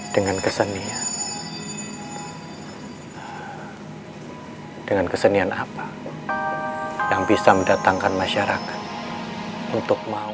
dengan kesenian dengan kesenian apa yang bisa mendatangkan masyarakat untuk mau